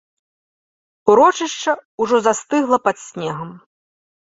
Урочышча ўжо застыгла пад снегам.